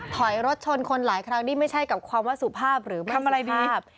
ถอยรถชนคนหลายครั้งนี่ไม่ใช่กับความว่าสุภาพหรือไม่ทำอะไรดี